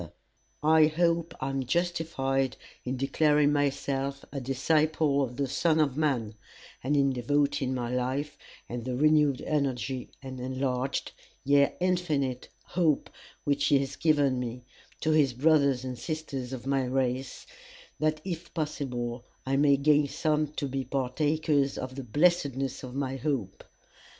On such grounds as these I hope I am justified in declaring myself a disciple of the Son of Man, and in devoting my life and the renewed energy and enlarged, yea infinite hope which he has given me, to his brothers and sisters of my race, that if possible I may gain some to be partakers of the blessedness of my hope.